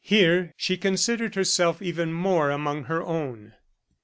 Here she considered herself even more among her own.